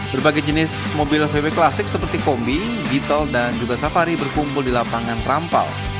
berbagai jenis mobil vw klasik seperti kombi gitel dan juga safari berkumpul di lapangan rampal